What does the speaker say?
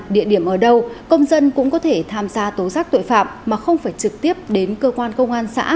địa điểm ở đâu công dân cũng có thể tham gia tố giác tội phạm mà không phải trực tiếp đến cơ quan công an xã